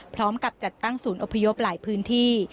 พร้อมกับจัดตั้งศูนย์อพยพหลายพื้นที่